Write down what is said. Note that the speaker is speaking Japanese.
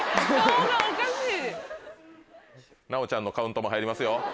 奈央ちゃんのカウントも入りますよ。